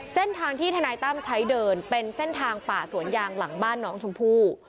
เส้นทางที่ทนายตั้มใช้เดินเป็นเส้นทางป่าสวนยางหลังบ้านน้องชมพู่